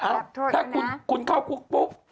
ถ้าคุณเข้าคุกปุ๊บ